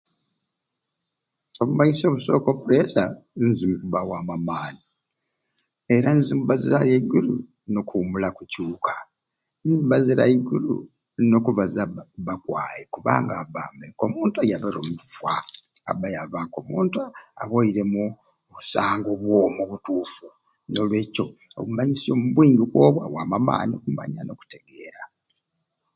Obumanyisyo obusooka o puleesa entunusi ziwaamu amaani era nizibba eigulu n'okuwumula kucuuka nizibba aigulu n'okubaza abba kubba kwai kubanga abba mbe ko muntu ayabire omukufa aba yabba k'omuntu aweiremu osanga obwoomi obutuufu n'olwekyo obumanyisyo obwingi awaamu amaani okumanya n'okutegeera.